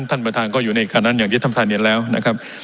ท่านประธานก็อยู่ในคันนั้นอย่างที่ท่านท่านเห็นแล้วนะครับ